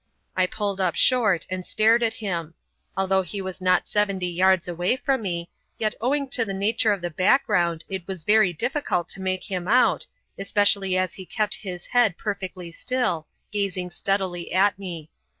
I pulled up short and stared at him. Although he was not seventy yards away from me, yet owing to the nature of the background it was very difficult to make him out, especially as he kept his head perfectly still, gazing steadily at me.